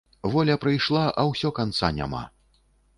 Воля прыйшла, а ўсё канца няма.